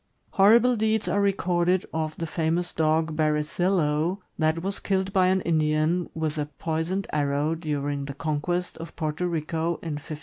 Hor rible deeds are recorded of the famous dog, Berezillo, that was killed by an Indian with a poisoned arrow during the conquest of Porto Rico, in 1514.